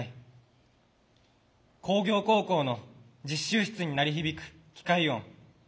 工業高校の実習室に鳴り響く機械音。